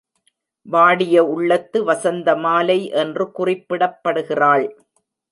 வாடிய உள்ளத்து வசந்தமாலை என்று குறிப்பிடப்படுகிறாள்.